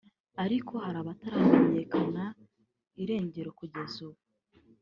ariko hari abataramenyekana irengero kugez'ubu